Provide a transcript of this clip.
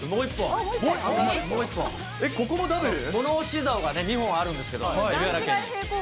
物干しざおが２本あるんですけど、蛯原家に。